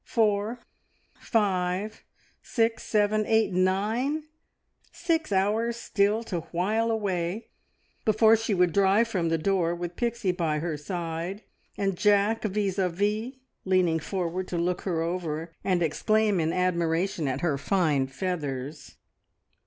Four, five, six, seven, eight, nine six hours still to while away before she would drive from the door with Pixie by her side, and Jack vis a vis, leaning forward to look her over, and exclaim in admiration at her fine feathers.